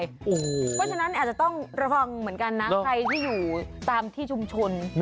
เพราะฉะนั้นอาจจะต้องระวังเหมือนกันนะใครที่อยู่ตามที่ชุมชน